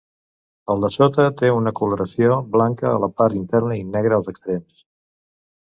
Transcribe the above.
Al dessota té una coloració blanca a la part interna i negra als extrems.